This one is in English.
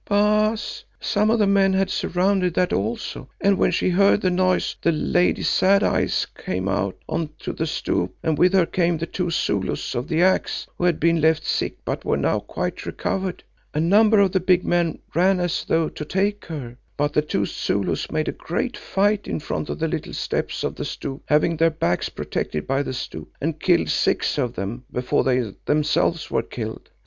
"Baas, some of the men had surrounded that also and when she heard the noise the lady Sad Eyes came out on to the stoep and with her came the two Zulus of the Axe who had been left sick but were now quite recovered. A number of the big men ran as though to take her, but the two Zulus made a great fight in front of the little steps to the stoep, having their backs protected by the stoep, and killed six of them before they themselves were killed.